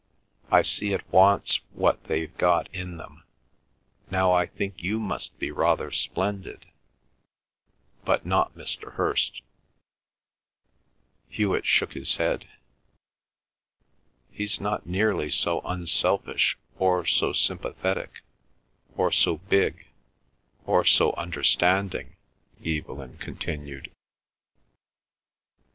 I see at once what they've got in them. Now I think you must be rather splendid; but not Mr. Hirst." Hewlet shook his head. "He's not nearly so unselfish, or so sympathetic, or so big, or so understanding," Evelyn continued.